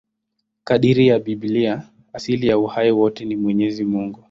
Kadiri ya Biblia, asili ya uhai wote ni Mwenyezi Mungu.